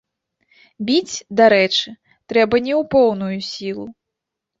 Біць, дарэчы, трэба не ў поўную сілу.